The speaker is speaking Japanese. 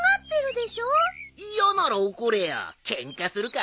嫌なら怒れよケンカするか？